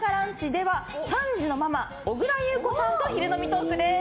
では３児のママ、小倉優子さんが昼飲みトークです。